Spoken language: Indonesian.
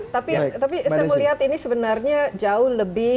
tapi saya melihat ini sebenarnya jauh lebih